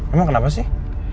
emang kenapa sih